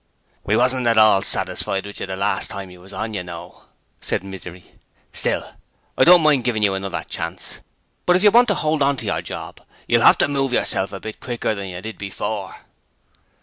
'We wasn't at all satisfied with you last time you was on, you know,' said Misery. 'Still, I don't mind giving you another chance. But if you want to hold your job you'll have to move yourself a bit quicker than you did before.'